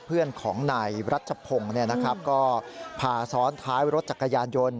เพื่อนของนายรัชพงศ์ก็พาซ้อนท้ายรถจักรยานยนต์